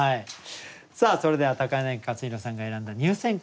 さあそれでは柳克弘さんが選んだ入選句